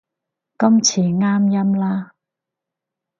今次啱音啦